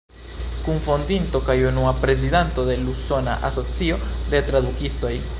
Kunfondinto kaj unua prezidanto de l' Usona Asocio de Tradukistoj.